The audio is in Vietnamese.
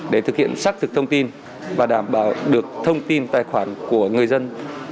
để thực hiện xác thực thông tin và đảm bảo được thông tin tài khoản của người dân